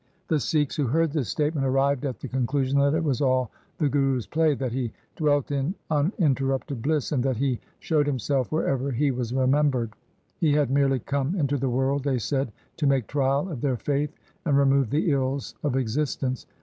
The Sikhs who heard this statement arrived at the conclusion that it was all the Guru's play, that he dwelt in uninterrupted bliss, and that he showed himself wherever he was remembered. He had merely come into the world, they said, to make trial of their faith, and remove the ills of existence.